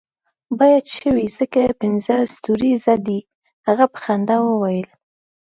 باید ښه وي ځکه پنځه ستوریزه دی، هغه په خندا وویل.